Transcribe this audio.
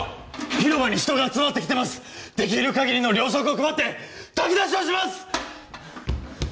広場に人が集まってきてますできうる限りの糧食を配って炊き出しをします！